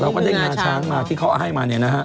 เราก็ได้เนาาช้างมาที่เขาได้ให้มาเนี่ยนะฮะ